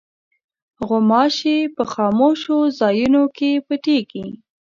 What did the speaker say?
غوماشې په خاموشو ځایونو کې پټېږي.